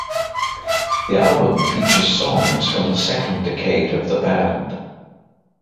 The album features songs from the second decade of the band.